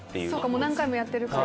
何回もやってるから。